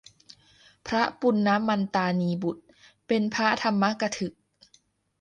พระปุณณมันตานีบุตร เป็นพระธรรมกถึก